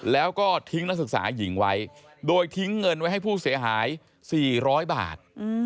แล้วก็ทิ้งนักศึกษาหญิงไว้โดยทิ้งเงินไว้ให้ผู้เสียหาย๔๐๐บาท